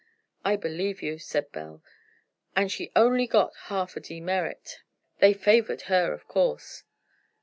"I believe you," said Belle. "And she only got half a demerit. They favored her, of course."